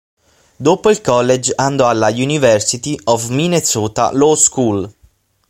Dopo il college, andò alla University of Minnesota Law School.